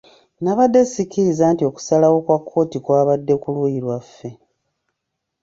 Nabadde sikiriza nti okusalawo kwa kkooti kwabadde ku luuyi lwaffe.